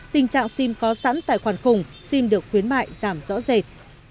tình trạng sim có sẵn tài khoản khủng xin được khuyến mại giảm rõ rệt